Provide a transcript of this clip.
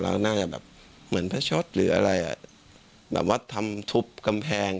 น่าจะแบบเหมือนพระช็อตหรืออะไรอ่ะแบบว่าทำทุบกำแพง